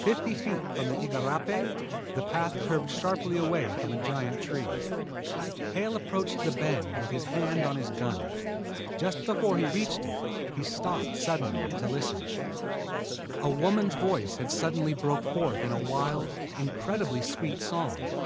Fifty feet from the igarapé, the path curved sharply away from a giant tree. Hale approached the bend with his hand on his gun. Just before he reached it, he stopped suddenly to listen. A woman's voice had suddenly broken forth in a wild, incredibly sweet song.